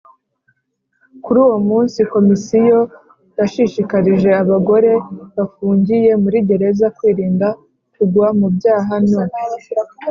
Kuri uwo munsi Komisiyo yashishikarije abagore bafungiye muri gereza kwirinda kugwa mu byaha no